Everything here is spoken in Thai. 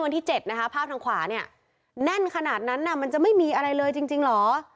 ทางขวาเนี่ยแน่นขนาดนั้นน่ะมันจะไม่มีอะไรเลยจริงจริงหรอ